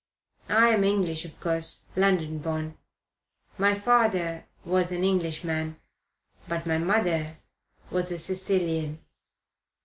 I am English, of course London born. My father was an Englishman; but my mother was a Sicilian.